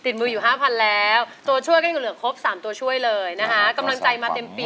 มืออยู่ห้าพันแล้วตัวช่วยก็ยังเหลือครบ๓ตัวช่วยเลยนะคะกำลังใจมาเต็มปี